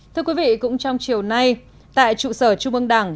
thưa quý vị cũng trong chiều nay tại trụ sở trung ương đảng